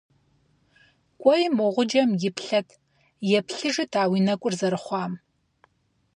КӀуэи мо гъуджэм иплъэт, еплъыжыт а уи нэкӀур зэрыхъуам.